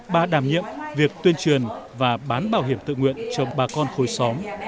bà đảm nhiệm việc tuyên truyền và bán bảo hiểm tự nguyện cho bà con khối xóm